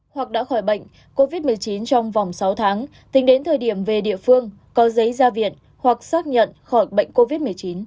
hoặc đã khỏi bệnh covid một mươi chín trong vòng sáu tháng tính đến thời điểm về địa phương có giấy ra viện hoặc xác nhận khỏi bệnh covid một mươi chín